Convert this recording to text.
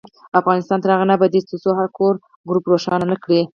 افغانستان تر هغو نه ابادیږي، ترڅو هر کور ګروپ روښانه نکړي.